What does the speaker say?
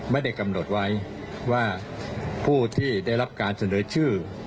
ไม่ได้กำหนดไว้ว่าผู้ที่ได้รับการเสนอชื่อ